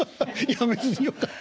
辞めずによかった。